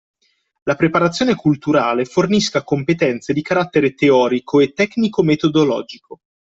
La preparazione culturale fornisca competenze di carattere teorico e tecnico-metodologico.